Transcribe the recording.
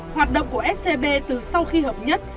hoạt động của scb từ sau khi hợp nhất